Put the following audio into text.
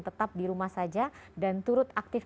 tetap di rumah saja dan turut aktif